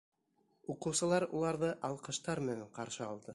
Уҡыусылар уларҙы алҡыштар менән ҡаршы алды.